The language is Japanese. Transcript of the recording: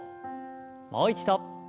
もう一度。